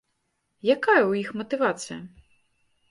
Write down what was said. Якая ў іх матывацыя?